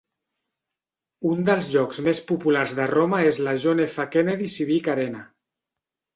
Un dels llocs més populars de Roma és la John F. Kennedy Civic Arena.